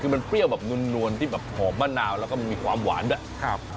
คือมันเปรี้ยวแบบนวลที่แบบหอมมะนาวแล้วก็มันมีความหวานด้วยครับ